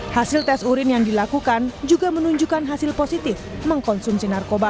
hasil tes urin yang dilakukan juga menunjukkan hasil positif mengkonsumsi narkoba